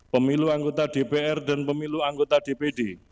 pemilu anggota dpr dan pemilu anggota dpd